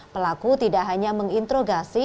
pelaku tidak hanya mengintrogasi